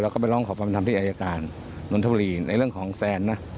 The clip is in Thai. แล้วก็ไปร้องขอความทำที่อายการนนทบุรีในเรื่องของแซนนะ